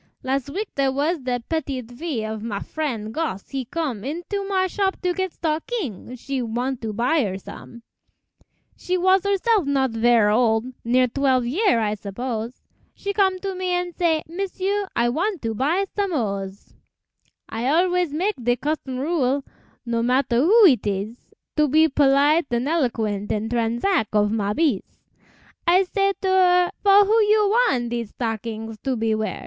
Las' w'ek dere was de petite fille Of ma frien', Gosse, he com' Into ma shop to get stock_ing_, She want to buy her som'; She was herself not verre ol', Near twelve year, I suppose; She com' to me an' say, "M'sieu, I wan' to buy som' hose." I always mak' de custom rule, No matter who it ees, To be polite an' eloquent In transack of ma beez; I say to her, "For who you wan' Dese stockings to be wear?"